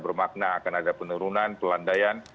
bermakna akan ada penurunan pelandaian